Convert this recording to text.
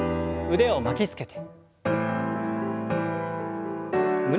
腕を巻きつけて。